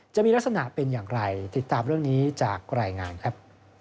จะมีลักษณะเป็นอย่างไรติดตามเรื่องนี้จากรายงานครับ